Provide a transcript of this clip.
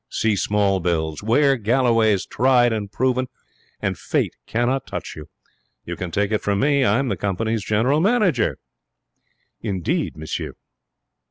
See small bills. Wear Galloway's Tried and Proven, and fate cannot touch you. You can take it from me. I'm the company's general manager.' 'Indeed, monsieur!'